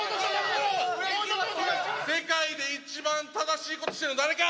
世界で一番正しいことしてるのは誰か？